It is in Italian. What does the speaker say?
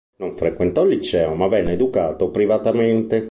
Non frequentò il liceo, ma venne educato privatamente.